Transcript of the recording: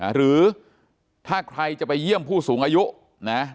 หรือถ้าใครจะไปเยี่ยมผู้สูงอายุนะ